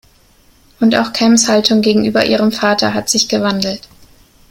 Und auch Cams Haltung gegenüber ihrem Vater hat sich gewandelt.